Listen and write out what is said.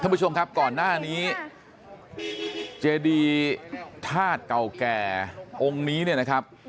ผู้ชมครับก่อนหน้านี้เจดีธาตุเก่าแก่องค์นี้เนี่ยนะครับ